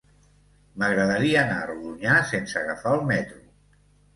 M'agradaria anar a Rodonyà sense agafar el metro.